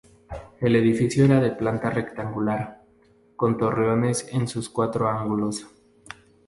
El edificio era de planta rectangular, con torreones en sus cuatro ángulos.